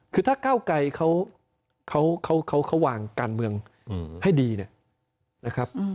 คือถ้าเก้าไกลเขาวางการเมืองให้ดีนะครับ